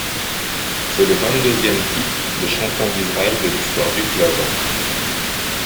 C'est le vingt-deuxième titre de champion d'Israël de l'histoire du club.